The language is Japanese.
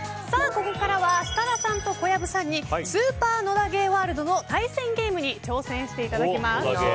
ここからは設楽さんと小籔さんに「スーパー野田ゲーＷＯＲＬＤ」の対戦ゲームに挑戦していただきます。